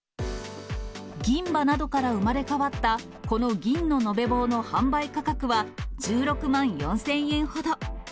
銀歯などから生まれ変わった、この銀の延べ棒の販売価格は、１６万４０００円ほど。